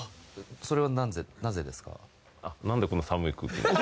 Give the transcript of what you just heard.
それはなぜなぜですか？